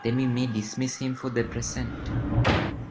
Then we may dismiss him for the present.